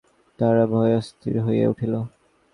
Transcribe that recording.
তাহারা ভয়ে অস্থির হইয়া উঠিল।